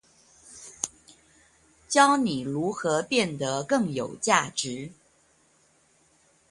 教你如何變得更有價值